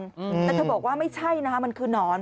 แต่เธอบอกว่าไม่ใช่นะคะมันคือนอน